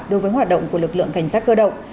đối với hoạt động của lực lượng cảnh sát cơ động